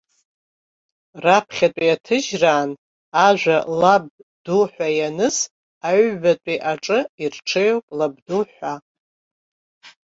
Раԥхьатәи аҭыжьраан ажәа лаб ду ҳәа иназ, аҩбатәи аҿы ирҽеиуп лабду ҳәа.